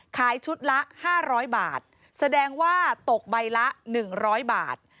ขายชุดละ๕๐๐บาทแสดงว่าตกใบละ๑๐๐บาท